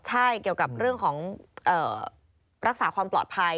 ใช่เกี่ยวกับเรื่องของรักษาความปลอดภัย